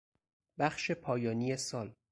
بخش پایانی سال